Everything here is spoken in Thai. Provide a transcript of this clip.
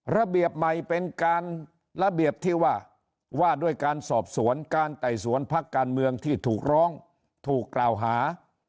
ระเบียบใหม่เป็นการระเบียบที่ว่าว่าด้วยการสอบสวนการไต่สวนพักการเมืองที่ถูกร้องถูกกล่าวหา